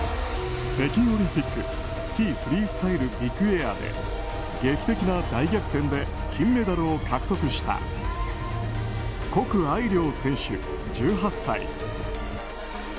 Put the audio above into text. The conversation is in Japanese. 北京オリンピックスキーフリースタイルビッグエアで劇的な大逆転で金メダルを獲得したコク・アイリョウ選手、１８歳。